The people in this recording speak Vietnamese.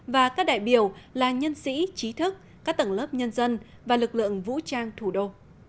và các đại biểu là nhân sĩ trí thức các tầng lớp nhân dân và lực lượng vũ trang thủ đô